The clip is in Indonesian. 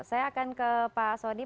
saya akan ke pak sodi